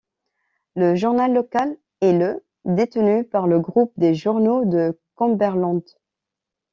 Le journal local est le ', détenu par le groupe des journaux de Cumberland.